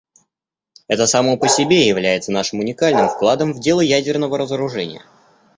Это само по себе является нашим уникальным вкладом в дело ядерного разоружения.